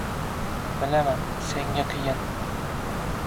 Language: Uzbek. bilaman, senga qiyin.